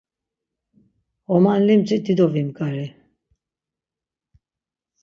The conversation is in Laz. Ğoman limci dido vimgari.